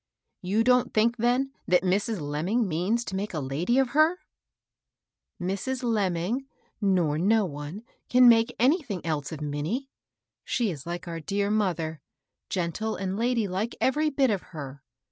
"You don't think, then, that Mrs. Lemming means to make a lady of her ?"" Mrs. Lemming, nor no one, can make any thing else of Minnie. She is like our dear moth er, gentle and lady like, every bit of her.